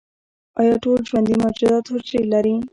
ایا ټول ژوندي موجودات حجرې لري؟